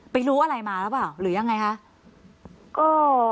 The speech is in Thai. ไปรู้อะไรมาแล้วเปล่าหรือยังไงค่ะก็